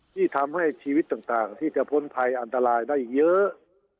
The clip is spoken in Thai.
ที่ทำให้ชีวิตต่างที่จะพ้นภัยอันตรายได้เยอะ